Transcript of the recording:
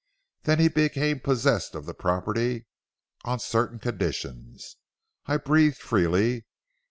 Then he became possessed of the property, on certain conditions. I breathed freely.